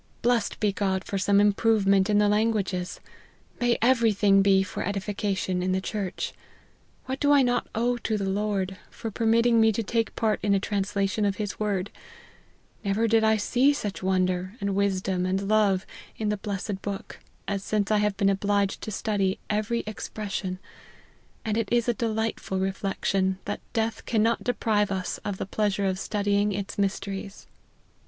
Blessed be God for some improvement in the languages ! May every thing be for edification in the church ! What do I not owe to the Lord, for permitting me to take part in a translation of his word : never did I see such wonder, and wisdom, and love in the blessed book, as since I have been obliged to study every expression ; and it is a delightful reflection, that death cannot deprive us of the pleasure of studying its mysteries."